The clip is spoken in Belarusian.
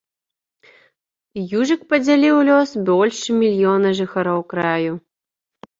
Южык падзяліў лёс больш чым мільёна жыхароў краю.